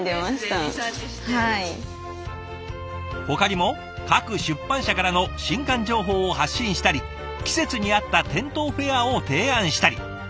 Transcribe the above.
ほかにも各出版社からの新刊情報を発信したり季節に合った店頭フェアを提案したり。